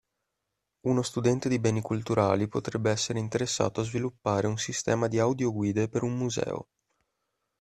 Uno studente di Beni Culturali potrebbe essere interessato a sviluppare un sistema di audioguide per un museo.